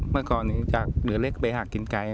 เมื่อก่อนจากเหนือเล็กไปหักกินไก่